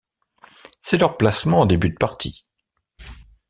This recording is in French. C'est leur placement en début de partie.